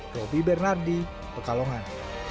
robby bernardi pekalongan